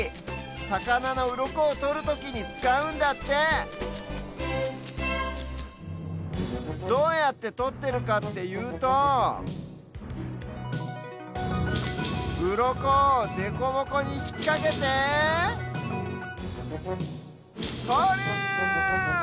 さかなのうろこをとるときにつかうんだってどうやってとってるかっていうとうろこをデコボコにひっかけてとる！